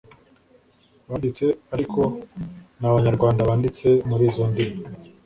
banditse ariko n’abanyarwanda banditse muri izo ndimi.